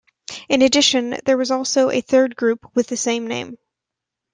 In addition, there was also a third group with the same name.